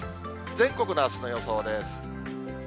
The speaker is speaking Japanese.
全国のあすの予想です。